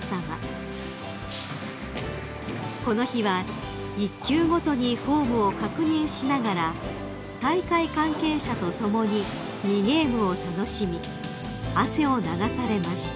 ［この日は１球ごとにフォームを確認しながら大会関係者と共に２ゲームを楽しみ汗を流されました］